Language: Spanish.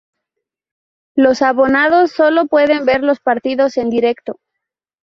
Los abonados sólo pueden ver los partidos en directo.